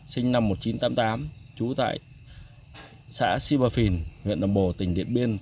sinh năm một nghìn chín trăm tám mươi tám trú tại xã sipafin huyện đồng bộ tỉnh điện biên